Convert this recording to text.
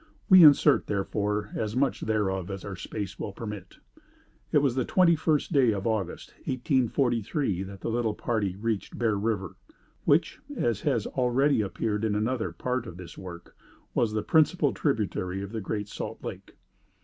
We insert therefore as much thereof as our space will admit. It was the twenty first day of August 1843 that the little party reached Bear River, which, as has already appeared in another, part of this work, was the principal tributary of the Great Salt Lake.